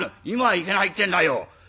今はいけないってんだよ。